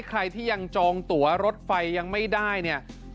ใครที่ยังจองตัวรถไฟยังไม่ได้เนี่ย